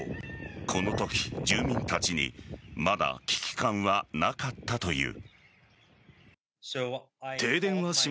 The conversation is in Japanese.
このとき、住民たちにまだ危機感はなかったという。